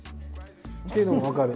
っていうのも分かる。